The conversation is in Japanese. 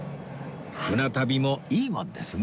船旅もいいもんですね